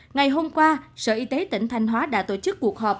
ngày hôm qua sở y tế tỉnh thanh hóa đã tổ chức cuộc họp